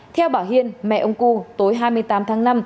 theo bà hiên mẹ ông cư tối hai mươi tám tháng năm